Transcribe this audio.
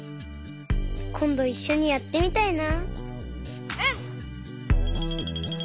こんどいっしょにやってみたいな。